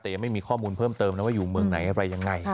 แต่ยังไม่มีข้อมูลเพิ่มเติมนะว่าอยู่เมืองไหนอะไรยังไง